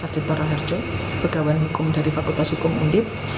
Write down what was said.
jokto raharjo pegawai hukum dari fakultas hukum unib